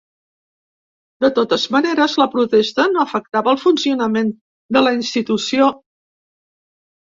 De totes maneres, la protesta no afectava el funcionament de la institució.